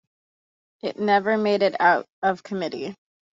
It never made it out of committee.